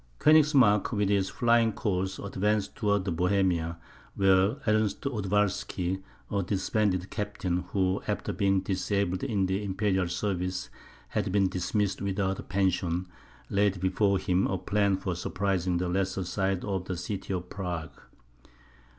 Koenigsmark, with his flying corps, advanced towards Bohemia, where Ernest Odowalsky, a disbanded captain, who, after being disabled in the imperial service, had been dismissed without a pension, laid before him a plan for surprising the lesser side of the city of Prague.